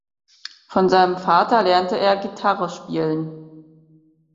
Von seinem Vater lernte er Gitarre spielen.